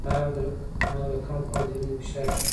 مالګه کم خوړل د وینې فشار ټیټوي.